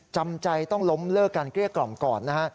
จำใจต้องล้มเลิกการเกลี้ยกล่อมก่อนนะฮะ